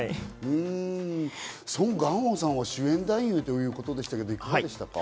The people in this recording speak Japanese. ソン・ガンホさんは主演男優ということですが、いかがでしたか？